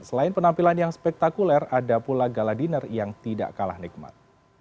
selain penampilan yang spektakuler ada pula gala dinner yang tidak kalah nikmat